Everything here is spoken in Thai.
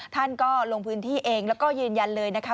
ท่านก็ลงพื้นที่เองแล้วก็ยืนยันเลยนะคะ